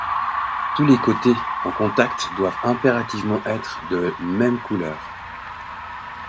Tous les côtés en contact doivent impérativement être de même couleur.